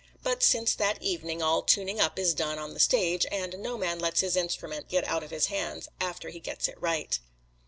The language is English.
But since that evening all tuning up is done on the stage, and no man lets his instrument get out of his hands after he gets it right."